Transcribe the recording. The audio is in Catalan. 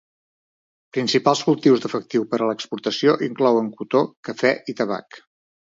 Principals cultius d'efectiu per a l'exportació inclouen cotó, cafè i tabac.